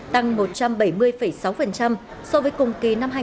tăng một trăm bảy mươi sáu so với cùng kỳ năm hai nghìn hai mươi hai